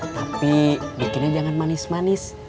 tapi bikinnya jangan manis manis